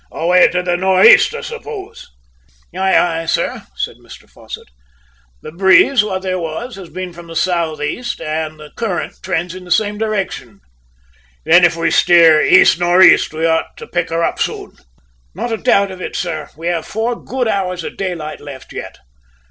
"Away to the nor' east, I suppose?" "Aye, aye, sir," said Mr Fosset. "The breeze, what there was, has been from the sou' east and the current trends in the same direction." "Then if we steer east nor' east we ought to pick her up soon?" "Not a doubt of it, sir. We have four good hours of daylight left yet!"